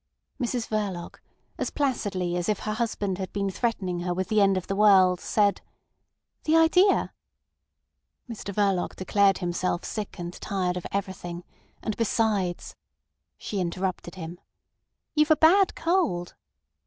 Mrs Verloc, as placidly as if her husband had been threatening her with the end of the world, said: "The idea!" Mr Verloc declared himself sick and tired of everything, and besides—She interrupted him. "You've a bad cold."